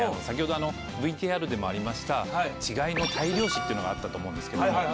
先ほどＶＴＲでもありました稚貝の大量死っていうのがあったと思うんですけども。